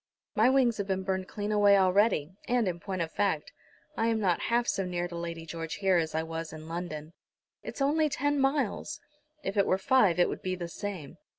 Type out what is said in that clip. "My wings have been burned clean away already, and, in point of fact, I am not half so near to Lady George here as I was in London." "It's only ten miles." "If it were five it would be the same.